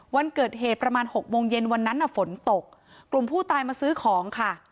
วันเกิดเหตุประมาณหกโมงเย็นวันนั้นน่ะฝนตกกลุ่มผู้ตายมาซื้อของค่ะ